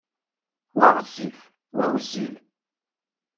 Wa ɣezzif, wa wezzil.